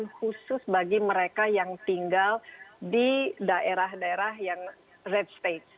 jadi ini khusus bagi mereka yang tinggal di daerah daerah yang red state